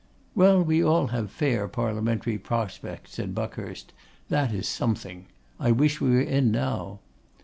'Well, we all have fair parliamentary prospects,' said Buckhurst. 'That is something. I wish we were in now.